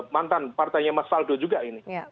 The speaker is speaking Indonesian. mantan partainya mas faldo juga ini